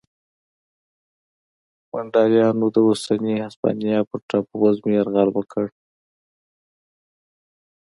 ونډالیانو د اوسنۍ هسپانیا پر ټاپو وزمې یرغل وکړ